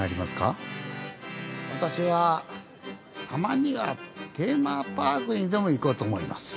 私はたまにはテーマパークにでも行こうと思います。